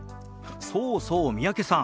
そうそう三宅さん